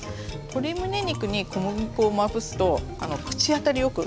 鶏むね肉に小麦粉をまぶすと口当たりよく仕上がるんですよ。